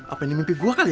apain mimpi gua kali ya